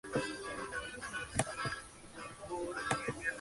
Fue creado cardenal por el papa Francisco, en el consistorio cardenalicio el día